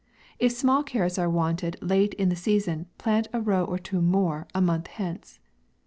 If small carrots are wanted late in the sea son, plant a row or two more, a month hence.